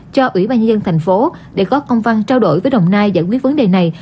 cho ủy ban nhân dân thành phố để có công văn trao đổi với đồng nai giải quyết vấn đề này